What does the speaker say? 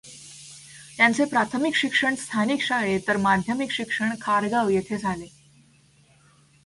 त्यांचे प्राथमिक शिक्षण स्थानिक शाळेत, तर माध्यमिक शिक्षण खारगाव येथे झाले.